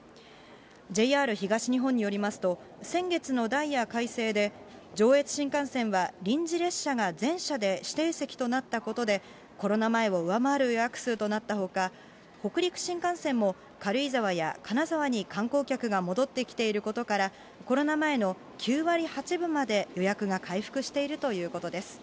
ＪＲ東日本によりますと、先月のダイヤ改正で、上越新幹線は臨時列車が全車で指定席となったことで、コロナ前を上回る予約数となったほか、北陸新幹線も軽井沢や金沢に観光客が戻ってきていることから、コロナ前の９割８分まで予約が回復しているということです。